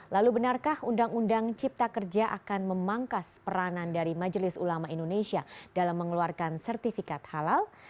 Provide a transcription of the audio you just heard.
lalu benarkah undang undang cipta kerja akan memangkas peranan dari majelis ulama indonesia dalam mengeluarkan sertifikat halal